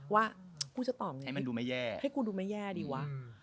ว่ากูจะตอบไงให้มันดูไม่แย่ให้กูดูไม่แย่ดีวะ